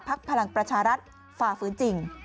พักพลังประชารัฐฟ่าฟื้นจริง